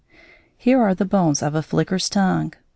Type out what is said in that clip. Here are the bones of a flicker's tongue.